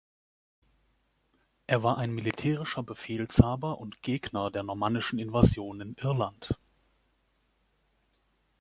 Er war ein militärischer Befehlshaber und Gegner der normannischen Invasion in Irland.